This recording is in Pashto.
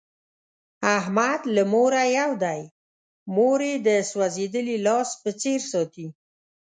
احمد له موره یو دی، مور یې د سوزېدلي لاس په څیر ساتي.